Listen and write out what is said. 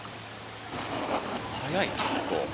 速い結構。